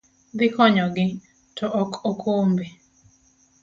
dhi konyogi, to ok okombe.